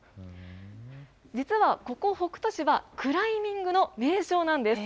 実はここ北杜市は、クライミングの名所なんです。